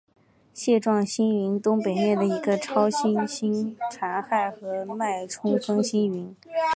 蟹状星云东北面的一个超新星残骸和脉冲风星云。